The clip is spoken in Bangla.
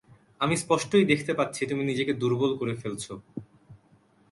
আমি স্পষ্টই দেখতে পাচ্ছি তুমি নিজেকে দুর্বল করে ফেলছ।